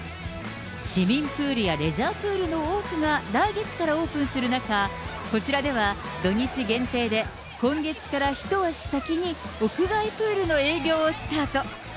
市民プールやレジャープールの多くが来月からオープンする中、こちらでは土日限定で今月から一足先に屋外プールの営業をスタート。